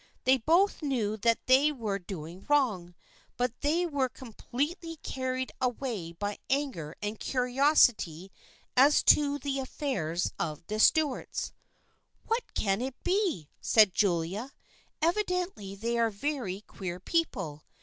They both knew that they were doing wrong, but they were completely carried away by anger and curiosity as to the affairs of the Stuarts. "What can it be?" said Julia, "Evidently they are very queer people.